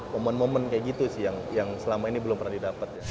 momen momen kayak gitu sih yang selama ini belum pernah didapat